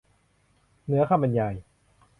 เหนือคำบรรยาย